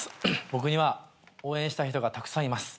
僕には応援したい人がたくさんいます。